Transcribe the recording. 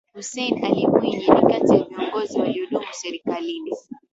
Hussein Ali Mwinyi ni kati ya viongozi waliodumu serikalini